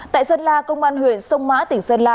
tại sơn la công an huyện sông mã tỉnh sơn la